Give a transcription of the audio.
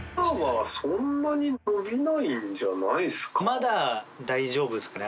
まだ大丈夫ですかね？